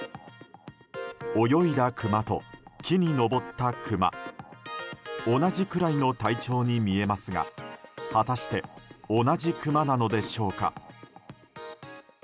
泳いだクマと木に登ったクマ同じくらいの体長に見えますが果たして同じクマなのでしょうか。